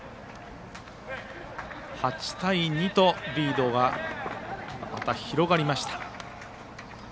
８対２とリードがまた広がりました。